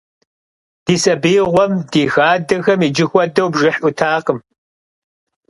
Ди сабиигъуэм ди хадэхэм иджы хуэдэу бжыхь Ӏутакъым.